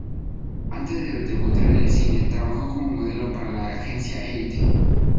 Antes de debutar en el cine, trabajó como modelo para la agencia Elite.